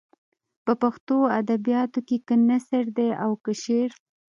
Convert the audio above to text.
په پښتو ادبیاتو کې که نثر دی او که شعر.